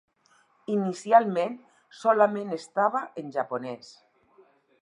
Inicialment solament estava en japonès.